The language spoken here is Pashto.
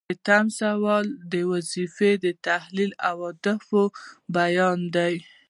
شپیتم سوال د وظیفې د تحلیل اهداف بیانوي.